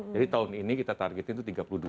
jadi tahun ini kita targetkan itu tiga puluh dua